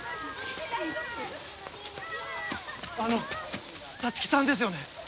あの立木さんですよね？